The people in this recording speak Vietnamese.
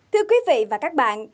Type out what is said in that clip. thưa quý vị và các bạn